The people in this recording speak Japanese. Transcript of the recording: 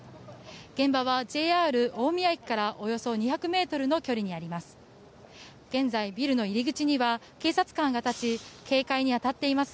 現場はＪＲ大宮駅からおよそ２００ｍの距離にあります。